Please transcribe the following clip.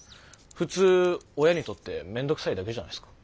普通親にとってめんどくさいだけじゃないですか？